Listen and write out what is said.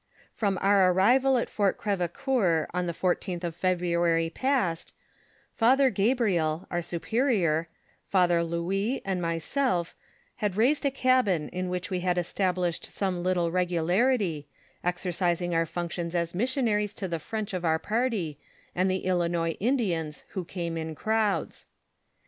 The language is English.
From our arrival at Fort Crevecoeur on the 14th of January past, Father Gabriel, our superior, Father Louis, and myself, had raised a cabin in which we had established some little regularity, exercising our functions as missionaries to the French of our party, and the Ilinois Indians who came in crowds.